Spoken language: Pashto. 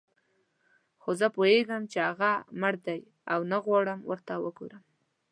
خو زه پوهېږم چې هغه مړ دی او نه غواړم ورته وګورم.